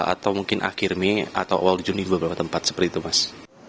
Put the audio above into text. atau mungkin akhir mei atau awal juni beberapa tempat seperti itu mas